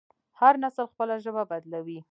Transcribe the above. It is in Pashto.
هر نسل خپله ژبه بدلوي.